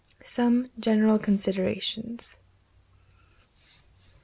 Some General Considerations.